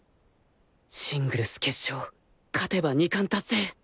シングルス決勝勝てば二冠達成！